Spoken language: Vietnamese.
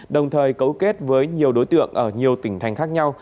đồng thời cấu kết với nhiều đối tượng ở nhiều tỉnh thành khác nhau